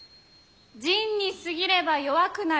仁に過ぎれば弱くなる！